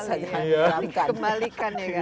masa dihidupkan kembalikan ya